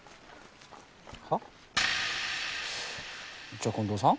じゃあ近藤さん？